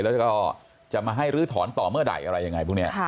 แล้วก็จะมาให้ลื้อถอนต่อเมื่อใดอะไรยังไงพวกนี้